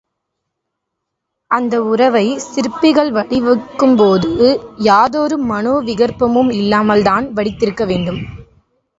அந்த உறவை, சிற்பிகள் வடிக்கும்போது யாதொரு மனோ விகற்பமும் இல்லாமல்தான் வடித்திருக்க வேண்டும்.